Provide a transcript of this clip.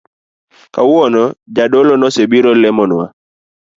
Kawuono Jadolo nosebiro lemonwa